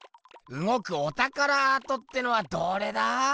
うごくおたからアートってのはどれだ？